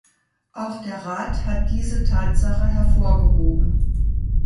Auch der Rat hat diese Tatsache hervorgehoben.